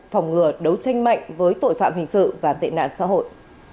phòng ngừa đấu tranh mạnh với tội phạm hình sự và tệ nạn xã hội